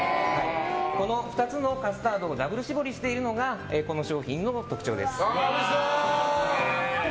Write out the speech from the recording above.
この２つのカスタードをダブル絞りしているのがこの商品の特徴です。